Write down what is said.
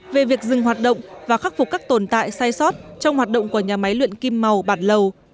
về việc dừng hoạt động và khắc phục các tồn tại sai sót trong hoạt động của nhà máy luyện kim màu bản lầu